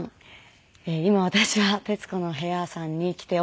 今私は『徹子の部屋』さんに来ております。